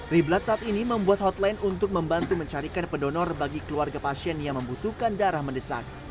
riblat saat ini membuat hotline untuk membantu mencarikan pedonor bagi keluarga pasien yang membutuhkan darah mendesak